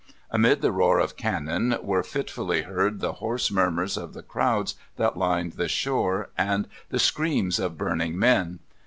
Amid the roar of cannon were fitfully heard the hoarse murmurs of the crowds that lined the shore and the screams of burning men.